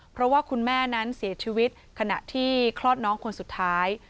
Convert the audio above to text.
เพราะว่าคุณแม่นั้นเสียชีวิตขณะที่คลอดน้องคนสุดท้าย